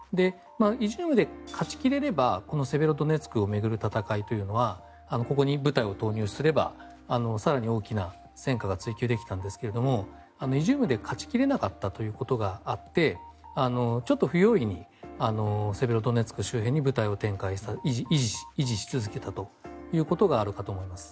イジュームで勝ち切れればこのセベロドネツクを巡る戦いというのはここに部隊を投入すれば更に大きな戦果が追求できたんですがイジュームで勝ち切れなかったということがあってちょっと不用意にセベロドネツク周辺に部隊を維持し続けたということがあるかと思います。